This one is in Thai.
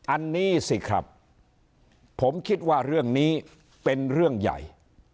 อันนี้สิครับผมคิดว่าเรื่องนี้เป็นเรื่องใหญ่